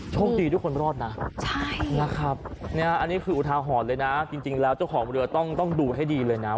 โชคดีทุกคนรอดนะนะครับเนี่ยอันนี้คืออุทาหรณ์เลยนะจริงแล้วเจ้าของเรือต้องดูให้ดีเลยนะ